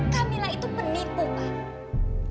kamila itu penipu pak